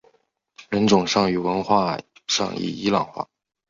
人种上与文化上已伊朗化。